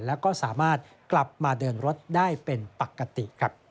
แล้วก็สามารถกลับมาเดินรถได้เป็นปกติ